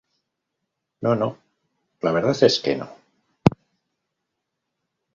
no. no, la verdad es que no.